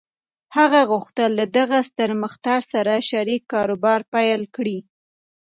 هغه غوښتل له دغه ستر مخترع سره شريک کاروبار پيل کړي.